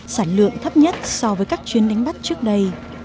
sản lượng thấp nhất so với các chuyến đánh bắt trước đây